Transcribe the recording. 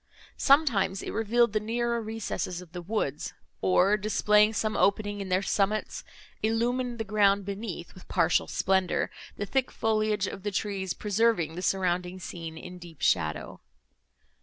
Sometimes, it revealed the nearer recesses of the woods, or, displaying some opening in their summits, illumined the ground beneath with partial splendour, the thick foliage of the trees preserving the surrounding scene in deep shadow.